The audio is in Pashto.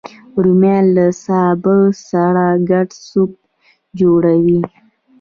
رومیان له سابه سره ګډ سوپ جوړوي